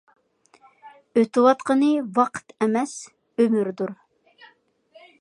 ئۆتۈۋاتقىنى ۋاقىت ئەمەس، ئۆمۈردۇر.